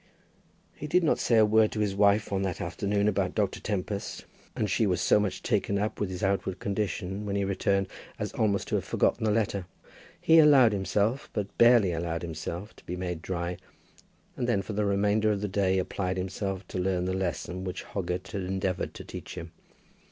"] He did not say a word to his wife on that afternoon about Dr. Tempest; and she was so much taken up with his outward condition when he returned, as almost to have forgotten the letter. He allowed himself, but barely allowed himself, to be made dry, and then for the remainder of the day applied himself to learn the lesson which Hoggett had endeavoured to teach him.